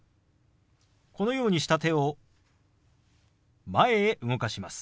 このようにした手を前へ動かします。